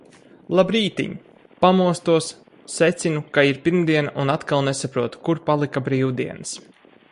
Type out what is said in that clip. Labrītiņ! Pamostos, secinu, ka ir pirmdiena un atkal nesaprotu, kur palika brīvdienas.